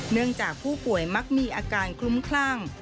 เนื่องจากผู้ป่วยมักมีอาการคลุ้มคลั่ง